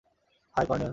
High, colonel.